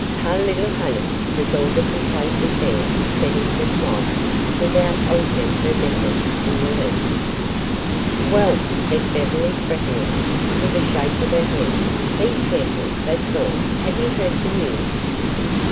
"Po' lil' honey," was all the complacent "bear" said in reply, without altering her methods in the least. "Well," said Beverly threateningly, with a shake of her head, "be careful, that's all. Have you heard the news?"